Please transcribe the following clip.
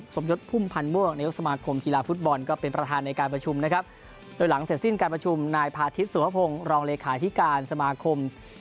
ซึ่งการประชุมนายพาธิตสุภพงศ์รองเลยคาธิการสมาคม